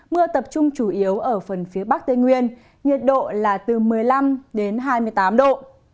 mưa tập trung chủ yếu ở phần phía bắc tây nguyên nhiệt độ là từ một mươi năm đến hai mươi tám độ